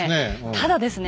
ただですね